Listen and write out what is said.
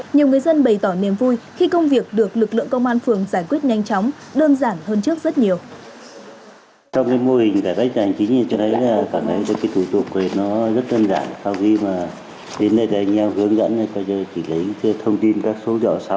nhiều người dân bày tỏ niềm vui khi công việc được lực lượng công an phường giải quyết nhanh chóng đơn giản hơn trước rất nhiều